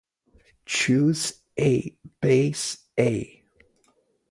Choose a base "a".